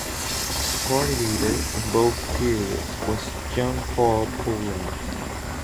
The party leader in both periods was Jean-Paul Poulin.